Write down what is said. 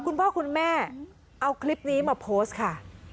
คุณพ่อคุณแม่เอาคลิปนี้มาโพสต์ค่ะ